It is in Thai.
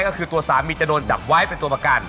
ก็คือตัวสามีจะโดนจับไว้เป็นตัวประกัน